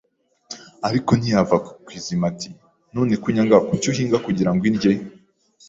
ariko ntiyava ku izima ati: “None ko unyanga kuki uhinga kugira ngo indye